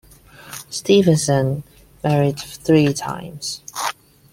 Stevenson married three times.